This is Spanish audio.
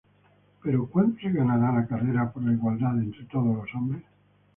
Pero ¿cuándo se ganará la carrera por la igualdad entre todos los hombres?